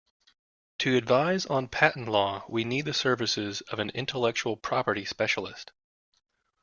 To advise on patent law, we need the services of an intellectual property specialist